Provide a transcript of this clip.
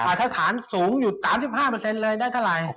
ถ้าฐานภาษีสูงอยู่๓๕เปอร์เซ็นต์เลยได้เท่าไหร่